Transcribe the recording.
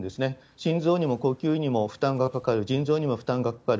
心臓にも呼吸にも負担がかかる、腎臓にも負担がかかる。